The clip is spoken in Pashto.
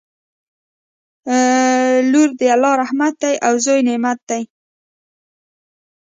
لور د الله رحمت دی او زوی نعمت دی